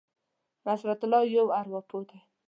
نصرت الله یو ارواپوه دی.